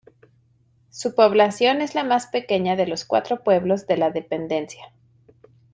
Su población es la más pequeña de los cuatro pueblos de la dependencia.